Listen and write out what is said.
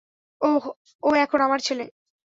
ওহ, ও এখন আমার ছেলে?